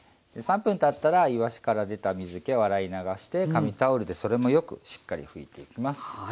３分たったらいわしから出た水けを洗い流して紙タオルでそれもよくしっかり拭いていきます。